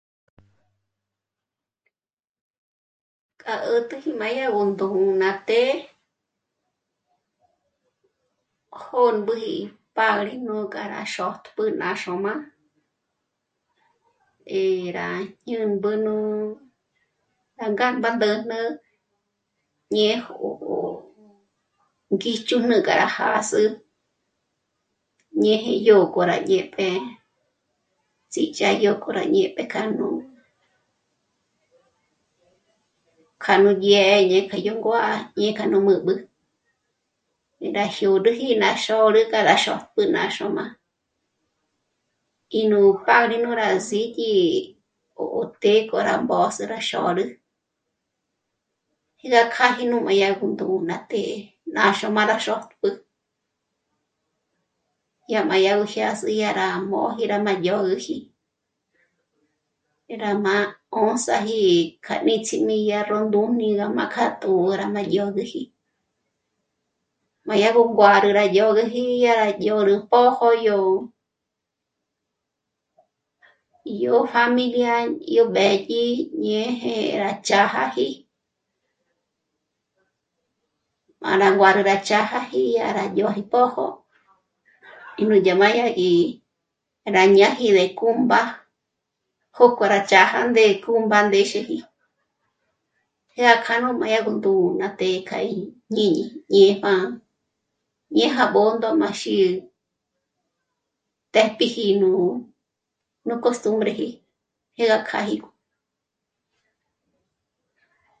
K'a 'ä̀t'äji nú ndū́'ū ná të́'ë, kjō̂mboji pari nú k'a rá xôt'pjü ná xôm'a eh... rá jñûmbu nú rá ngár ná mbǜjnü ñéj... ó ngíchürnü k'a rá jâs'ü ñéje yó k'o rá dyèpje ts'íchádyo k'o rá dyèjpje k'o kja yó dyè'è, dyé'e yó nguá'a ñé'e k'a nú mbǚb'ü. Nré ná jyôrüji ná xôrü kja rá xôt'pjü ná xôm'a y nú pádrino rá s'íki o té k'o rá mbös'ü rá xôrü, je gá kjáji m'a dyágo ndū́'ū ná të́'ë ná xôm'a rá xôt'pjü, dyà m'a dyágó jyâs'i dyàrá móji dyà má mógüji, rá má 'ṓs'aji k'a níts'imi yá rú ndújmi rá m'a kjâ tjō̌ra má dyôgüji. M'a dya nú nguárü rá yôrüji yá yôrü pójo yó pjámilia yó mbédyi néje rá ch'ájaji m'a rá nguár gá ch'a´jaji dya 'óji pójo y núdya m'a dyá 'áji rá ñáji ndéku mbá jókò rá ch'ája ndéje mbándéxeji, je gá kja m'a dya gú ndū́'ū ná të́'ë í jñíni ñépjá ñéjya Bṓndo m'a xí'i téjpjiji nú costumbreji, jé ga kjáji gú...